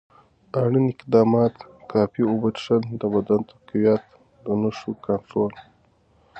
اړین اقدامات: کافي اوبه څښل، د بدن تقویت، د نښو کنټرول.